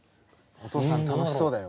お父さん楽しそうだよ。